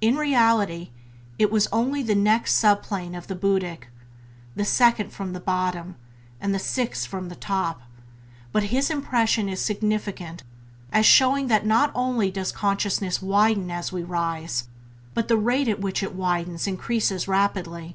In reality it was only the next subplane of the buddhic — the second from the bottom, and the sixth from the top; but his impression is significant as showing that not only does consciousness widen as we rise, but the rate at which it widens increases rapidly.